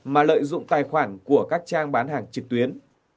mà lợi dụng tài khoản của các trang bán hàng trực tuyến